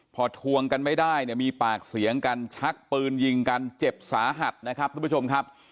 พอทวงกันไม่ได้เนี่ยมีปากเสียงกันชักปืนยิงกันเจ็บสาหัสนะครับทุกผู้ชมครับ